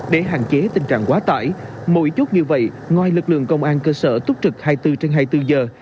để hạn chế tình trạng quá tải mỗi chút như vậy ngoài lực lượng công an cơ sở túc trực hai mươi bốn trên hai mươi bốn giờ